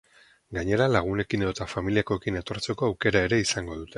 Gainera, lagunekin edota familiakoekin etortzeko aukera ere izango dute.